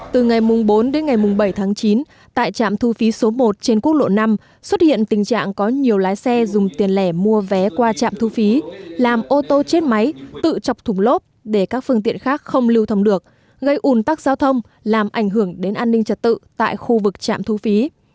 từ ngày bốn đến ngày bảy tháng chín tại trạm thu phí số một trên quốc lộ năm xuất hiện tình trạng có nhiều lái xe dùng tiền lẻ mua vé qua trạm thu phí làm ô tô chết máy tự chọc thủng lốp để các phương tiện khác không lưu thông được gây ủn tắc giao thông làm ảnh hưởng đến an ninh trật tự tại khu vực trạm thu phí